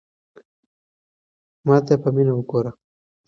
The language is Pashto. ما ته په مینه وگوره.